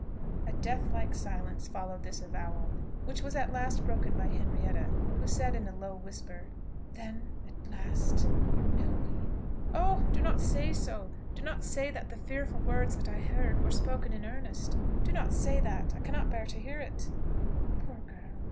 A deathlike silence followed this avowal, which was at last broken by Henrietta, who said in a low whisper, "Then at last you know me!" "Oh! do not say so; do not say that the fearful words that I heard were spoken in earnest! Do not say that; I cannot bear to hear it!" "Poor girl!